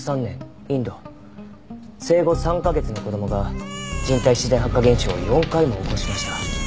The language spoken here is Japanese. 生後３カ月の子供が人体自然発火現象を４回も起こしました。